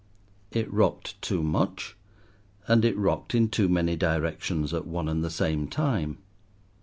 It rocked too much, and it rocked in too many directions at one and the same time.